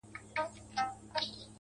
• اوس د شپې سوي خوبونه زما بدن خوري.